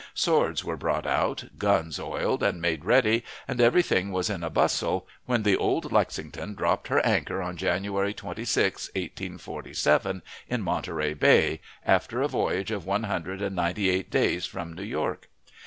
Swords were brought out, guns oiled and made ready, and every thing was in a bustle when the old Lexington dropped her anchor on January 26, 1847, in Monterey Bay, after a voyage of one hundred and ninety eight days from New York.